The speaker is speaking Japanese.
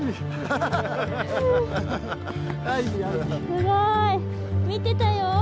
すごい！見てたよ！